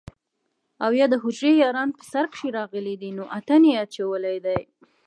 او يا دحجرې ياران په سر کښې راغلي دي نو اتڼ يې اچولے دے